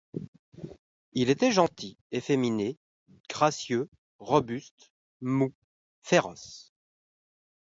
Il était gentil, efféminé, gracieux, robuste, mou, féroce.